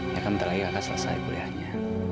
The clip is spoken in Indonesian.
ya nanti lagi kakak selesai kuliahnya